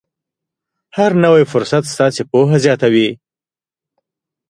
هر نوی فرصت ستاسې پوهه زیاتوي.